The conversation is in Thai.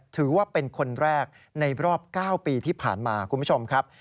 ถือว่าเป็นคนแรกในรอบ๙ปีที่ผ่านมาคุณผู้ชมครับ